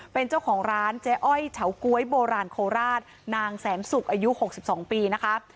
เป็นเจ้าของร้านเจ๊อ้อยเฉาก๊วยโบราณโคราชนางแสนสุกอายุ๖๒ปีนะคะ